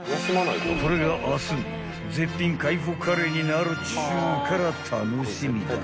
［これが明日絶品海保カレーになるっちゅうから楽しみだな］